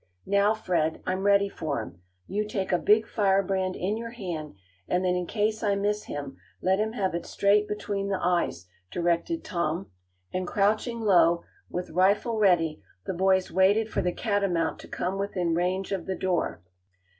"Now, Fred, I'm ready for him. You take a big firebrand in your hand, and then in case I miss him, let him have it straight between the eyes," directed Tom, and crouching low, with [Illustration: THAT VERY INSTANT TOM FIRED] rifle ready, the boys waited for the catamount to come within range of the door.